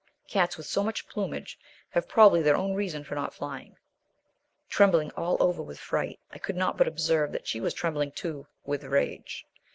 Cats with so much plumage have probably their own reasons for not flying. Trembling all over with fright, I could not but observe that she was trembling too with rage.